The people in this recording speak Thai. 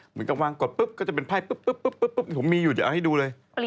เหมือนกันว่าก็จะเป็นไพร่มีอยู่ก็แอปไว้ให้ดูเลย